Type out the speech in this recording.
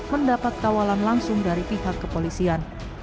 mendapat kawalan langsung dari pihak kepolisian